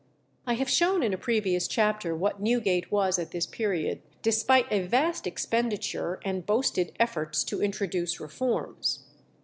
I have shown in a previous chapter what Newgate was at this period, despite a vast expenditure and boasted efforts to introduce reforms.